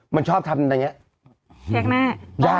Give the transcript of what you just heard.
มันชอบทำแบบนี้พยักหน้า